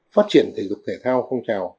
phát triển thể dục thể thao phong trào